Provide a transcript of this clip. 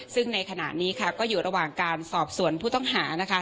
ซึ่งในขณะนี้ค่ะก็อยู่ระหว่างการสอบสวนผู้ต้องหานะคะ